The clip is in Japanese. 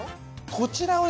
こちらをね